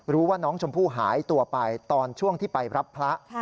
รู้ว่าน้องชมพู่หายตัวไปตอนช่วงที่ไปรับพระ